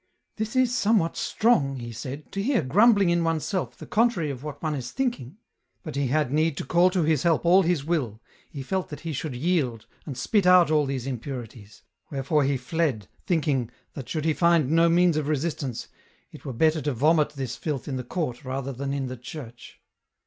" This is somewhat strong," he said, " to hear grumbling in oneself, the contrary of what one is thinking ;" but he had need to call to his help all his will, he felt that he should yield, and spit out all these impurities ; wherefore he fled, thinking, that should he find no means of resistance, it were better to vomit this filth in the court rather than in the church.